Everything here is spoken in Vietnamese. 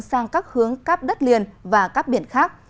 sang các hướng cắp đất liền và cắp biển khác